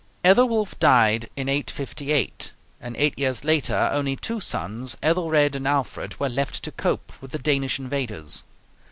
Ethelwulf died in 858, and eight years later only two sons, Ethelred and Alfred, were left to cope with the Danish invaders.